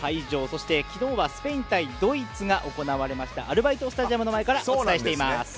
そして昨日はスペイン対ドイツが行われたアルバイトスタジアムの前からお伝えしています。